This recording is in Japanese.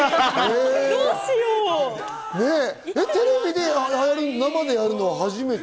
どうしテレビで生でやるのは初めて？